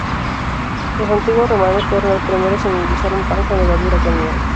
Los antiguos romanos fueron los primeros en endulzar un pan con levadura con miel.